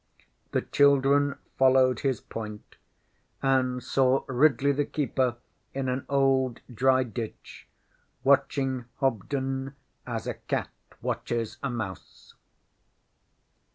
ŌĆÖ The children followed his point, and saw Ridley the keeper in an old dry ditch, watching Hobden as a cat watches a mouse.